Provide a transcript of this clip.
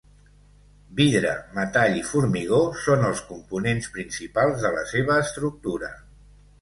Vidre, metall i formigó són els components principals de la seva estructura.